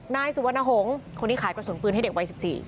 นายสุวรรณหงษ์คนที่ขายกระสุนปืนให้เด็กวัย๑๔